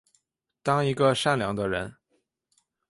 当一个善良的人